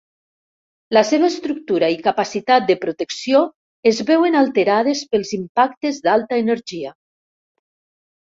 La seva estructura i capacitat de protecció es veuen alterades pels impactes d'alta energia.